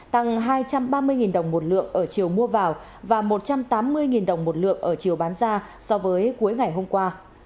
tăng hai trăm ba mươi đồng một lượng ở chiều mua vào và một trăm tám mươi đồng một lượng ở chiều bán ra so với cuối ngày hôm qua